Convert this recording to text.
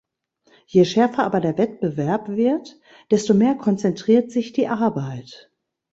Je schärfer aber der Wettbewerb wird, desto mehr konzentriert sich die Arbeit.